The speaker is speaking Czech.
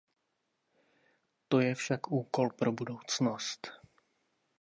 To je však úkol pro budoucnost.